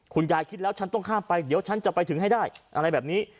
คิดแล้วฉันต้องข้ามไปเดี๋ยวฉันจะไปถึงให้ได้อะไรแบบนี้